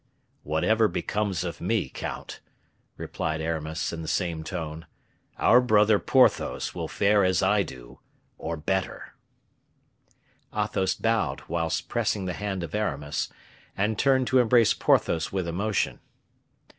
"Whatever becomes of me, count," replied Aramis, in the same tone, "our brother Porthos will fare as I do or better." Athos bowed whilst pressing the hand of Aramis, and turned to embrace Porthos with emotion.